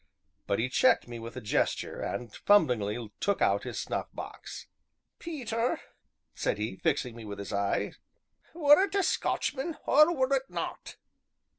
But he checked me with a gesture, and fumblingly took out his snuff box. "Peter," said he, fixing me with his eye, "were it a Scotchman or were it not?"